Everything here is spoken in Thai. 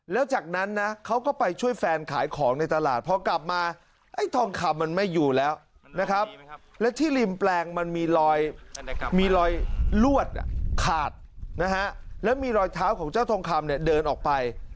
แล้วจากนั้นนะเขาก็ไปช่วยแฟนขายของในตลาดพอกลับมาไอ้ทองคำมันไม่อยู่แล้วนะครับและที่ริมแปลงมันมีรอยลวดขาดนะฮะแล้วมีรอยเท้าของเจ้าทองคำเนี่ยเดินออกไป